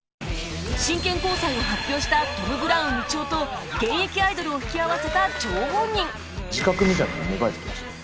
真剣交際を発表したトム・ブラウンみちおと現役アイドルを引き合わせた張本人自覚みたいなのも芽生えてきましたね